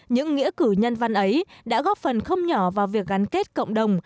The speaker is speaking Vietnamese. những nghĩa cử nhân văn ấy đã góp phần không nhỏ vào việc gắn kết cộng đồng